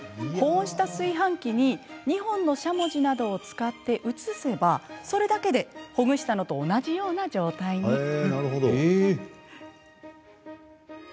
保温した炊飯器に２本のしゃもじなどを使って移せばそれだけでほぐしたのと同じような状態に。